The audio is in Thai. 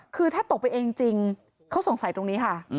คือถ้าตกไปเองจริงเขาสงสัยตรงนี้ค่ะ